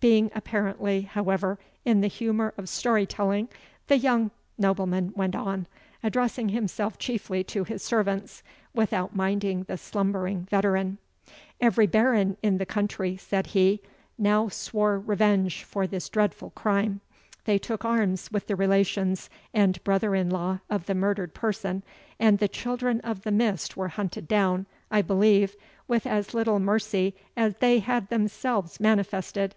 Being apparently, however, in the humour of story telling, the young nobleman went on, addressing himself chiefly to his servants, without minding the slumbering veteran. "Every baron in the country," said he, "now swore revenge for this dreadful crime. They took arms with the relations and brother in law of the murdered person, and the Children of the Mist were hunted down, I believe, with as little mercy as they had themselves manifested.